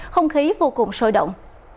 không khí vô cùng sôi động